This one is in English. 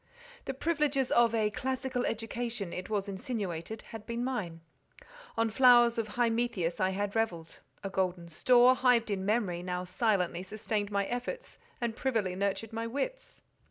The privileges of a "classical education," it was insinuated, had been mine; on flowers of Hymettus I had revelled; a golden store, hived in memory, now silently sustained my efforts, and privily nurtured my wits.